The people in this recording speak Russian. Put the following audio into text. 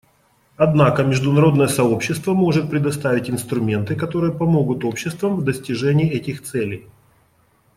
Однако международное сообщество может предоставить инструменты, которые помогут обществам в достижении этих целей.